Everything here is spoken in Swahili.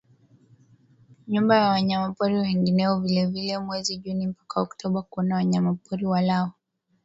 nyumbu na wanyamapori wengineo Vile vile mwezi Juni mpaka Oktaba kuona wanyamapori walao